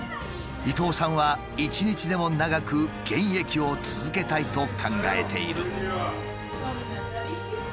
伊東さんは一日でも長く現役を続けたいと考えている。